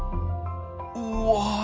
うわ！